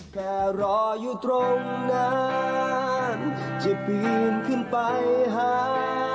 แค่รออยู่ตรงนั้นจะปีนขึ้นไปหา